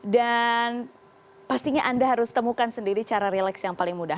dan pastinya anda harus temukan sendiri cara relax yang paling mudah